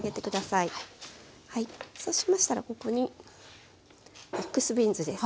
そうしましたらここにミックスビーンズです。